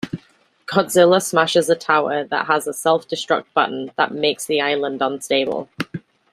Godzilla smashes a tower that has a self-destruct button that makes the island unstable.